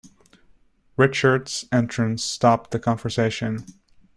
Richard's entrance stopped the conversation.